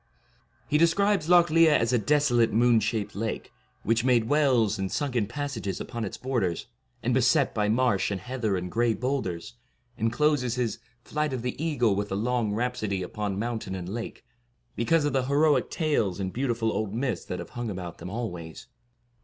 He describes Lough Liath as a desolate moon shaped lake, with made wells and sunken pas sages upon its borders, and beset by marsh and 70 heather and gray boulders, and closes his * Flight of the Eagle ' with a long rhapsody upon mountain and lake, because of the heroic tales and beautiful old myths that have hung about them always.